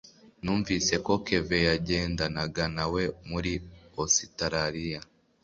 numvise ko kevin yagendanaga nawe muri ositaraliya